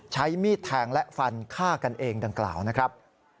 ใช้มีดแทงและฟันฆ่ากันเองดังกล่าวนะครับ